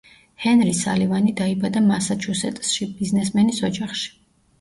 ჰენრი სალივანი დაიბადა მასაჩუსეტსში, ბიზნესმენის ოჯახში.